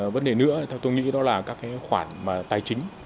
vấn đề nữa theo tôi nghĩ đó là các khoản tài chính